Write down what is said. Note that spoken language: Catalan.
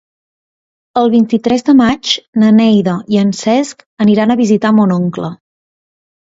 El vint-i-tres de maig na Neida i en Cesc aniran a visitar mon oncle.